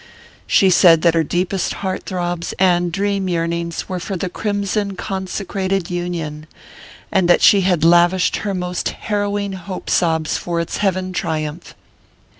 She said that her deepest heart throbs and dream yearnings were for the crimson consecrated Union, and that she had lavished her most harrowing hope sobs for its heaven triumph.